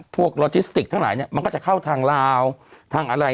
พวกลอจิสติกส์ทั้งหลายมันก็จะเข้าทางลาวทางอะไร